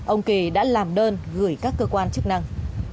ông kỳ đã làm đơn gửi các cơ quan chức năng